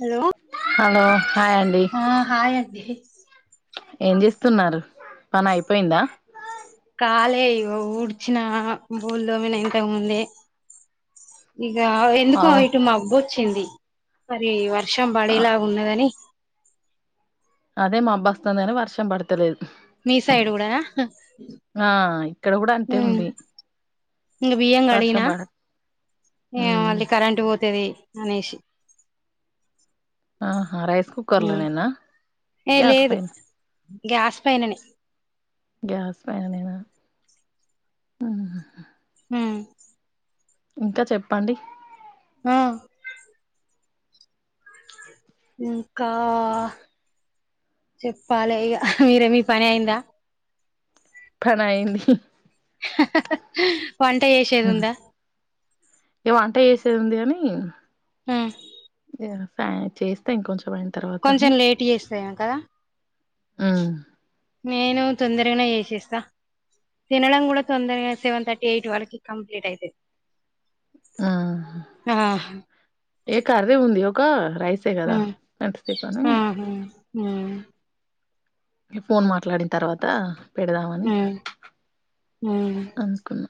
Hello hello hi అండి ఆ హాయండీ. ఏం చేస్తున్నారు పనైపోయిందా. కాలే ఇగో ఊడ్చినా బోలు దోమినా ఇంతకుముందే. ఇగా ఎందుకో అవును ఇటు మబ్బొచ్చింది మరీ వర్షం ఆ, పడేలాగున్నదని. అదే మాబ్బస్తాంది గాని వర్షం పడ్తలేదు. మీ సైడు గూడానా ఇక్కడ కూడా అంతే హ్ము ఉంది ఇంగ బియ్యం వర్షం కడిగినా. పడ ఇగ ఉమ్, మళ్ళీ కరెంట్ పోతదీ అనేశి. ఆహా రైస్ ఉమ్ కుకర్లోనేనా ఏ లేదు గ్యాస్పైన్ గ్యాస్ పైననే గ్యాస్ పైననేనా ఊహ్ హు హూ ఇంకా చెప్పండి ఆ ఇంకా చెప్పాలే ఇగా మీరే మీ పనైందా. పనైంది వంట జేశేద్ ఉందా. ఇగ వంట చేశేది ఉంది గానీ. హ్ము ఫ్యా చేస్తా ఇంకొంచెం అయిన్ తర్వాత కొంచెం అని లేట్ చేస్తాయేమో కదా ఊ నేనూ తొందరగనే చేశేస్తా తినడం కూడా తొందరగా సెవెన్ థర్టీ ఎయిట్ వరకి కంప్లీట్ అయితది. అఆహా ఇగ కర్రీ ఉంది ఒకా రైస్ ఊ ఊహు ఊ ఫోన్ మాట్లాడిన్ తర్వాతా పెడదామని. ఉమ్ [unintelligible] అనుకున్నా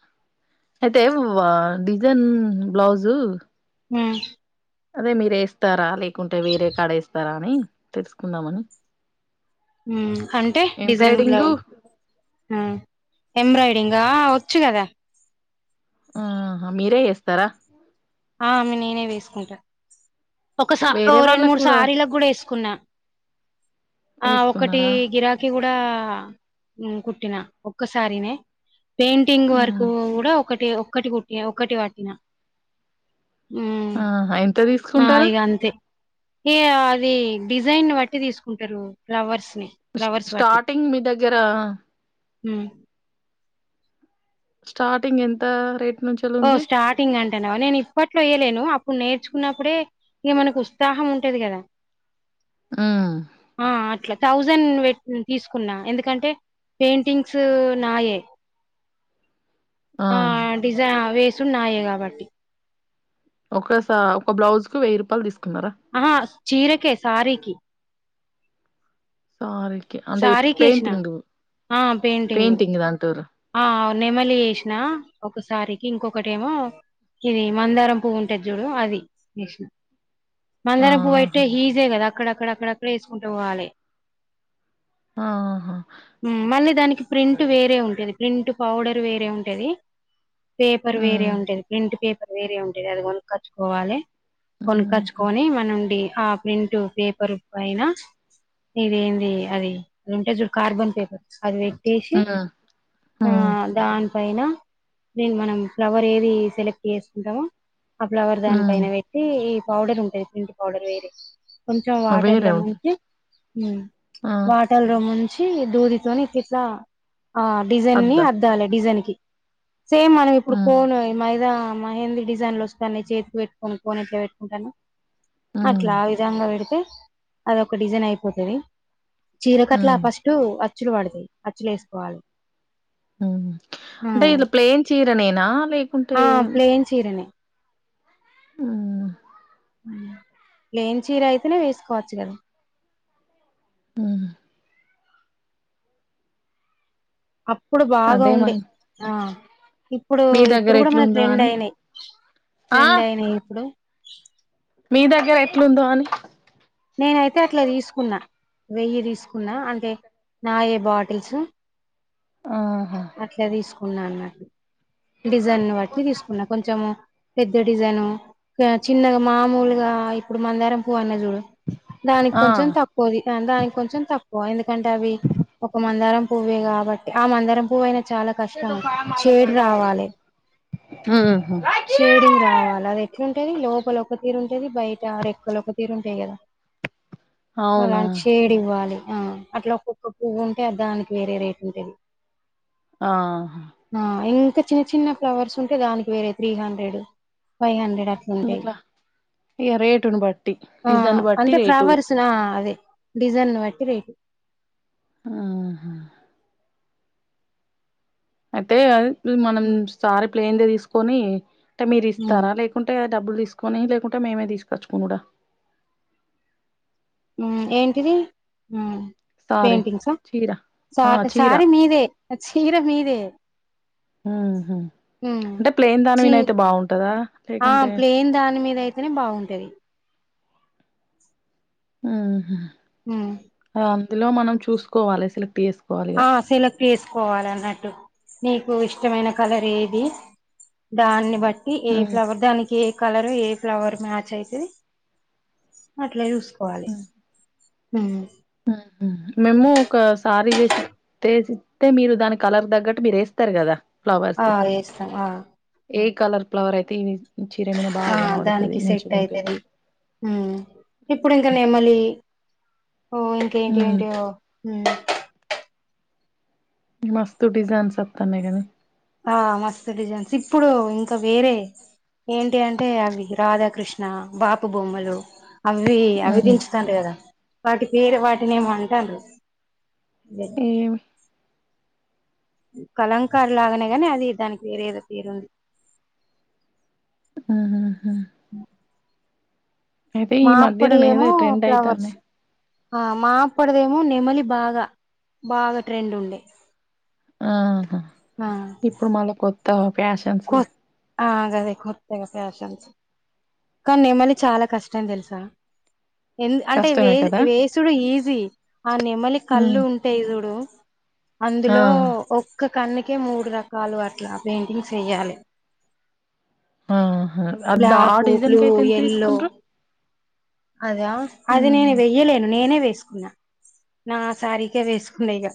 అయితే వా డిజైన్ బ్లౌజూ. హ అదే మీరు ఏస్తారా లేకుంటే వేరే కాడ ఏస్తారా అని తెలుసుకుందామని ఉమ్ కంటే డిజైన్ బ్లౌ ఎంబ్రాయిడింగు ఎంబ్రాయిడింగ వచ్చు కదా ఆ మీరే ఏస్తారా ఆ నేనే వేసుకుంటా ఒకస వేరే రెండు వాళ్ళకు మూడు కూడా సారీలకు కూడా వేసుకున్నా ఆ ఒకటి వేసుకున్నారా గిరాకీ కూడా కుట్టినా ఒక్క సారి నే పెయింటింగ్ వర్క్ ఉమ్ కూడా ఒకటి ఒకటి కుట్టిన ఒకటి వట్టిన ఉమ్ ఆహా ఎంత ఆ తీసుకుంటారు ఇగ అంతే ఏ అది డిజైన్ని బట్టి తీసుకుంటరు ఫ్లవర్స్ ని ఫ్లవర్స్ స్టార్టింగ్ మీ దగ్గర ఉమ్ స్టార్టింగ్ ఎంత నుంచెలి ఓ ఉంది స్టార్ట్ గ్ అంటాన్నవ నేను ఇప్పట్లో ఎయ్యలేను అప్పుడు నేర్చుకున్నప్పుడే ఇగ మనకు ఉత్సాహం ఉంటది కదా ఉమ్ ఆ అట్లా థౌజండ్ పెట్టు తీసుకున్నా ఎందుకంటే పెయింటింగ్స్ నాయే ఆ డిజై వేసుడున్నాయే కాబట్టి ఒకస ఒక బ్లౌజ్ కు వెయ్యి రూపాలు తీసుకున్నారా ఆహా చీరకె సారీకి సారికి అంటె సారీకి వేసిన పెయింటింగ్ పెయింటింగ్ దాంతో ఆ నెమలి ఏసినా ఒక సారికి ఇంకొకటేమో ఇది మందారం పువ్వు ఉంటది చూడు అది వేసిన మందారం పువ్వు అయితే ఆహా ఈజే కదా అక్కడక్కడ అక్కడక్కడ వేసుకుంట పోవాలే ఆహా మళ్ళీ దానికి ప్రింట్ వేరే ప్రింట్ పౌడర్ వేరే ఉంటది పేపర్ వేరే ఉమ్ ఉంటది ప్రింట్ పేపర్ వేరే ఉంటది అది కొనుక్కొచ్చుకోవాలి హుహు. కొనుక్కచ్చుకొని మనం డి ప్రింట్ పేపరు పైన ఇదేంది అది ఉంటయి చూడు కార్బన్ పేపర్ అది పెట్టేసి ఆ దాని పైన దేను మనం ఫ్లవర్ ఏది సెలెక్ట్ చేసుకుంటమో ఆ ఫ్లవర్ దాని హ్మ్. పైన పెట్టి ఈ పౌడర్ ఉంటది పింక్ పౌడర్ వేరే కొంచెం వేరే ఉంటది. వాటర్లముంచి ఆ! ర్ల ముంచి దూదితోని ఇట్లిట్లా ఆ డిజైన్ ని అద్దా? అద్దాలి డిజైన్ కి సేమ్ మనం ఇప్పుడు హ్మ్. కోను మైదా మేహేంది డిజైన్లో వస్తానై చేతికి పెట్టుకొని కోన్ ఏట్లా పెట్టుకుంటన్నము హ్మ్. అట్లా ఆ విధంగా పెడితే అది ఒక డిజైన్ అయిపోతది చీరకట్లా హ్మ్. ఫస్ట్ అచ్చులు పడతాయి అచ్చులు వేసుకోవాలి ఉహ్ ఆ అంటే ఇలా ప్లెయిన్ చీరనేనా లేకుంటే ఆ ప్లెయిన్ చీరనే ఆహ్ ప్లెన్ చీరైతేనే వేస్కోవచ్చు కదా ఆహ్ అప్పుడు బాగా అదే ఉండే మరి ఆ ఇప్పుడు మీ దగ్గర ఇప్పుడు కూడా మన ఎట్లుందో అని. ట్రెండైనాయి ఆ! ట్రెండైనాయి ఇప్పుడు మీ దగ్గర ఎట్లుందోని నేనైతే అట్లా తీస్కున్నా వెయ్యి తీస్కున్నా అంటే నాయే బాటిల్సు ఆహా అట్లా తీస్కున్నా అన్నటు డిజైన్ బట్టి తీస్కున్నా కొంచెము పెద్ద డిజైను చిన్నగా మామూల్గా ఇప్పుడు మందారం పువ్ అన్న జూడు దానికి ఆ! కొంచెం తక్కు పొది దానికి కొంచెం తక్కువ ఎందుకంటే అవి ఒక మందారం పువ్వే కాబట్టి ఆ మందారం పువ్వైనా చానా కష్టం షేడ్ రావాలే ఆహు షేడింగ్ రావాలదే ఎట్లుంటది లోపల ఒక తీరుంటుది బయట రెక్కలు ఒక తీరుంటాయి కదా అలా అవునా! షేడివ్వాలి ఆ అట్లా ఒక్కొక్క పువ్వుంటే అ దాన్కి వేరే రేటుంటది ఆహ్ ఆ ఇంకా చిన్న చిన్న ఫ్లవర్స్ ఉంటే దాన్కి వేరే త్రీ హండ్రెడ్ ఫైవ్ హండ్రెడ్ అట్ గట్లా ఇగ రేటుని బట్టి ఆ! డిజన్ బట్టి అంటే రేటు ఫ్లవర్స్ ఆ అదే డిజైన్ వట్టి రేటు ఆహ్ ఆహ అయితే మనం హ్మ్. సారీ ప్లెన్ దే తీస్కొని అంటే హ్మ్. మీరిస్తారా లేక ఉంటే డబ్బులు తీస్కొని లేకుంటే మేమే తీస్కొచ్చుకునుడా ఉహ్ ఏంటిది ఊ సారీ పెయింటింగ్స చీర ఆ చీర చాచారి మీదే చీర మీదే ఉహు హ్మ్. అంటే ప్లెయిన్ దాని చీ మినైతే బాగుంటందా లేకుంటే తనే బాగుంటది ఉహు హ్మ్. ఓ అందులో మనం చూస్కోవాలి సెలెక్టేస్ ఆ సెలక్ తీస్కోవాలన్నట్టు నీకు ఇష్టమైన కలర్ ఏది దాన్ని బట్ ఈ ఏ ఉమ్ ఫ్లవర్ దాన్కి ఏ కలర్ ఏ ఫ్లవర్ మ్యాచైతది అట్లా జూస్కో కోవాలి ఉమ్ ఉహు మేము ఒక సారి దెసి తేసిస్తే మీరు దాని కలర్ తగ్గట్టు మీరేస్తారు కదా ఆ ఫ్లవర్స్ వేస్తం ఆ ఏ కలర్ ఫ్లవరైతే ఇవి చీర మీద బా ఆ గనవడ్తది మంచిగుంటది ఉహ్ ఇప్పుడింకా నేమలి ఓ ఉమ్ ఇంకేంటెంటో ఓ మస్తు డిజైన్స్ వత్తానై గదా ఆ మస్తు డిజైన్స్ ఇప్పుడు ఇంకా వేరే ఏంటి అంటే అవి రాధాకృష్ణ బాపు బొమ్మలు అవి అవి ఉమ్ దించుతాన్ టె కదా వాటి పేరు వాటినేమోమంటాన్రు ఏమి కలంకార్లాగానే గాని అది దాని పేరేదో పేరుంది ఆహ హా అయితే ఈ మా మధ్యన అప్పుడు నీదే ఏమో ఫ్లవర్స్ ట్రెండైతాన్నే ఆ మా అప్పడిదేమో నెమలి బాగా బాగా ట్రెండ్ ఉండే ఆహా ఆ ఇప్పుడు మళ్ళ కొత్త ప్యాస కొ ఆ గాదె కొత్తగా ఫ్యాషన్స్ కానీ నెమలి చాలా కష్టం తెల్సా ఎ అంటే వే కష్టమే కదా వేసుడు ఈజీ ఆ నెమలి కళ్ళు ఉమ్ ఉంటాయి సూడు ఆ అందులో ఒక్క కన్నుకే మూడు రకాలు అట్లా పెయింటింగ్స్ ఏయాలి ఆహ అద్ ఆ బ్లాక్ డిజైన్ బ్లూ కి అయితే ఎంత ఎల్లో తీసుకుంటారు అదా అది నేను హ్మ్. వెయ్యలేను నేనే వేసుకున్నా నా సారీకే వేసుకున్నా ఇగ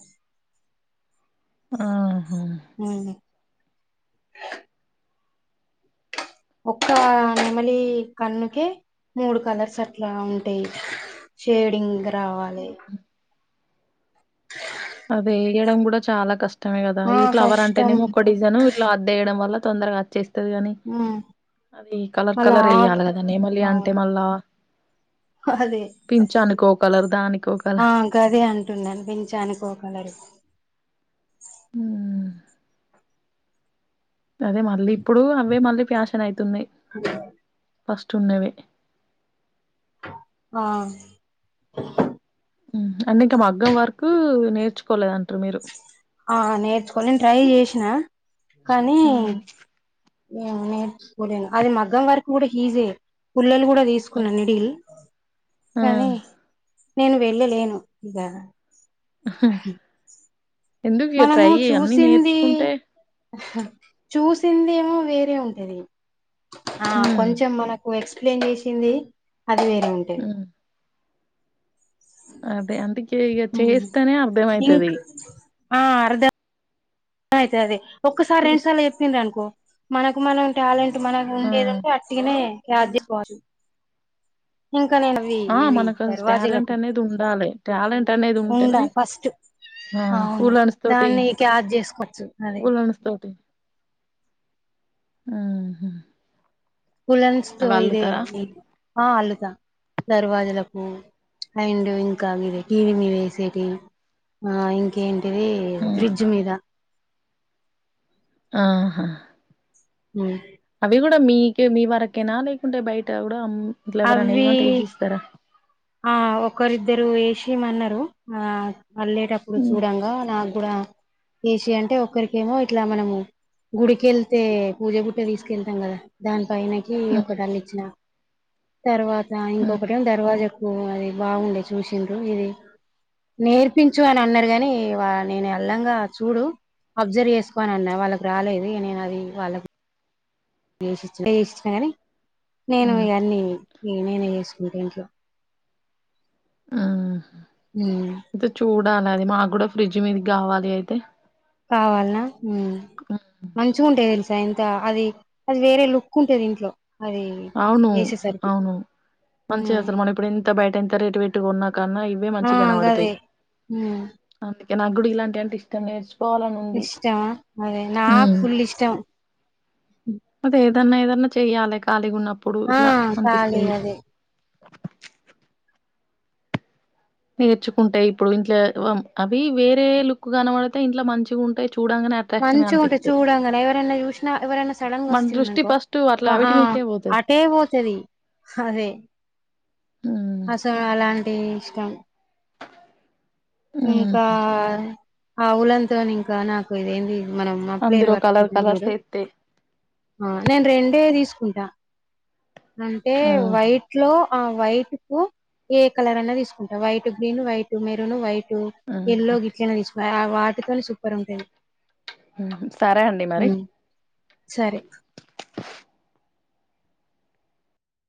ఆహా వ్మ్ [inaudible] ఒక్క నెమలి కన్నుకే మూడు కలర్స్ అట్లా ఉంటాయి. షేడింగ్ రావాలె అదె ఎయడం కూడా చాలా కష్టమే కదా ఆ ఈ ఫ్లవర్ కష్టం అంటేనేమో ఒక్క డిజ జనం ఇట్లా అద్దేయడం వల్ల తొందరగా అచ్చేస్తది గాని ఉమ్ ఈ కలర్ మళ్ళా కలర్ ఆకు ఎయ్యాలి కద నెమలి అంటే మళ్ళా హహదే పించానికో కలర్ దానికో ఆ కలర్ గదే అంటుండని పించానికో కలర్ ఉమ్ అదే మళ్ళీ ఇప్పుడు అవే మళ్ళీ ఫ్యాషన్ అయితున్నాయి [inaudible] ఫస్ట్ ఉన్నవే ఆ మ్ అంటే ఇంకా మగ్గం వర్క్ నేర్చుకోలేదంటారు మీరు ఆ నేర్చుకోని నేను ట్రై జేష్ణ కానీ హ్మ్. మ్ నేర్చుకోలేను అది మగ్గం వర్క్ కూడా ఈజీ పూల్లలు కూడా ఆ తీసుకున్న నిడిల్ ఆ! కానీ నేను వెళ్ళలేను ఇగ ఆహా మనము చూసింది నేర్చుకుంటే అహ చూసిందేమో వేరే ఉంటది ఆ ఉమ్ కొంచెం మనకు ఓ ఎక్సప్లేయిన్ చేసింది అది వేరే ఉంటది ఉమ్ అదే అందుకే ఇగ చేస్తేనే అర్ధ ఇంక్ అయితది ఆ అర్ద అయితది అదే ఒక్కసారి రెండు చూస్ సార్లు చెంపిర్ అనుకో మనకు మనం టాలెంట్ మనకు ఆ ఉండేదుంటే అట్టిగానే [inaudible] ఇంకా నేను ఇవి ఆ ఇవి మనకు టాలెంట్ దర్వాజులకు అనేది ఉండాలి టాలెంట్ అనేది ఉండ ఉంటేనే ఫస్ట్ ఆ అవును ఉలన్స్ దాన్ని క్యాజ్ చేసుకోవచ్చు అదే అనస్థోటి ఆహా ఉలెన్స్ తో ఇదే నీ ఆ అల్లుతా దర్వాజలకు అయిండ్ ఇంకా ఇది టీవీ మీద ఏసేటివి ఆ ఇంకేంటిది ఫ్రిడ్జ్ మీద ఆహా ఊ అవి కూడా మీకే మీ వరకైనా లేకుంటే బయట కూడా ఇంట్ల ఎవరైనా అవి ఏయమంటే ఏసిస్తారా ఆ ఒకరిద్దరు ఎషియమన్నారు ఆ అలెటపుడ్ ఇప్పుడు హ్మ్ చూడంగా నాకు గూడ ఏసి అంటే ఒక్కరికేమో ఇట్లా మనము గుడికెళ్తే పూజ బుట్ట తీసుకెళ్తాం కదా దానిపైన కీ ఒక హ్మ్ టళ్ళ ఇచ్చిన తర్వాత హ్మ్ ఇంకొకటేం దర్వాజా ఉం అది బాగుండే చూసిండ్రు ఇది నేర్పించు అని అన్నారు గాని వా నేను అల్లంగా చూడు అబ్సర్వ్ చేసుకోన అన్నా వాళ్ళకి రాలేదు నేను అది వాళ్ళకు చేసిచ్చిన గాని నేను హ్మ్ ఇగ అన్ని నేనే చేసుకుంట ఇంట్లో ఆ ఉమ్ అయితే చూడాలి అది మాకు కూడా ఫ్రిడ్జ్ మీద కావాలి అయితే కావాల్నా ఉం ఆ మంచిగా ఉంటయి తెలుసా ఇంత అది అది వేరే లుక్ ఉంటది ఇంట్లో అది అవును ఏసేసరికి అవును మంచిగసలు మనం ఇప్పుడు ఇంత బయట ఎంత రేటు పెట్టి కొన్నా కన్నా ఇవే మంచిగ కనబడతాయి ఉం అందుకే నాకు గుడ ఇలాంటి అంటే ఇష్టం లేదు ఇష్టమా అదే నాకు ఫుల్ ఇష్టం మది ఏదన్నా ఏదన్నా చెయాలి ఖాలిగా ఉన్నప్పుడు ఆ ఇట్లా ఖాళీ అనిపిస్తది అదే నేర్చుకుంటా ఇప్పుడు ఇంట్లో అవి వేరే లుక్ కనబడితే ఇంట్లో మంచిగా ఉంటాయి చూడంగానే అట్రాక్షన్‌గా మంచిగా ఉంటయి అనిపిస్తాయి. చూడాంగానే ఎవరైనా చూసినా ఎవరనా సడన్గా మన దృష్టి వస్తుంరనుకో ఫస్ట్ అట్లా అవిటి మీదకే పోతది. ఆ కే పోతది సరే హ్మ్. అసలు అలాంటి ఇష్టం ఇంకా హుహు. ఆవులంతోని ఇంకా నాకు ఇదేంది మనం మప్లేరు అందులో కలర్ కటుకుంటాం కలర్స్ చూడు ఎత్తే. ఆ నేను రెండే తీసుకుంటా అంటే హ్మ్. వైట్ ఇంట్లో ఆ వైట్ కు ఏ కలర్ అన్న తీసుకుంటా white green white maroon white హ్మ్. ఎల్లో గిట్లనా తీసుకో ఆ వాటితోనే సూపర్ ఉంటది హు హమ్ సరే అండి మరి ఉమ్, సరే